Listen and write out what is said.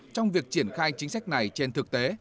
trong việc triển khai chính sách này trên thực tế